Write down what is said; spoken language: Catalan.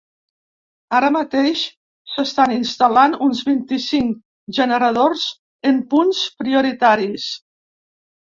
Ara mateix s'estan instal·lant uns vint-i-cinc generadors en punts prioritaris.